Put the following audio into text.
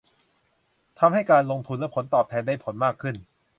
ทำให้การลงทุนและผลตอบแทนได้ผลมากขึ้น